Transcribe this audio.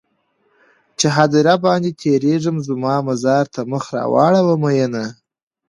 چې هديره باندې تيرېږې زما مزار ته مخ راواړوه مينه